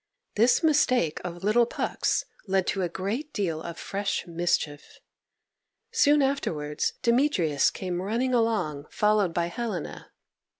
This mistake of little Puck's led to a great deal of fresh mischief. Soon afterwards Demetrius came running along, followed by Helena.